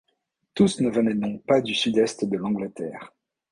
Tous ne venaient donc pas du Sud-Est de l’Angleterre.